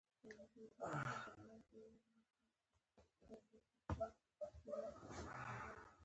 موږ باید د ښځو درناوی وکړو